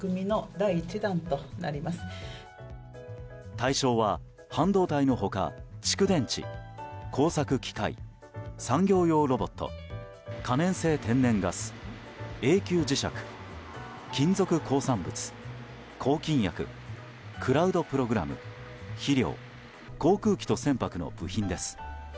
対象は半導体の他、蓄電池工作機械、産業用ロボット可燃性天然ガス、永久磁石金属鉱産物、抗菌薬クラウドプログラム肥料、航空機と船舶の部品です。